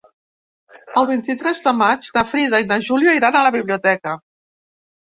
El vint-i-tres de maig na Frida i na Júlia iran a la biblioteca.